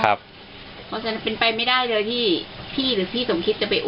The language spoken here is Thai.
เขาทำไมเป็นไปไม่ได้ก็ที่พี่สมคิตจะไปอุ้มแล้วจะไปร้อง